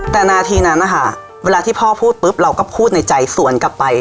แต่นาทีนั้นนะคะเวลาที่พ่อพูดปุ๊บเราก็พูดในใจสวนกลับไป